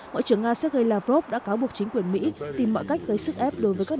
ngoại trưởng nga sergei lavrov đã cáo buộc chính quyền mỹ tìm mọi cách gây sức ép đối với các